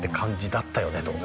「だったよね」